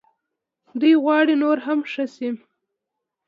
دوی غواړي نور هم ښه شي.